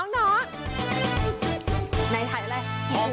น้อง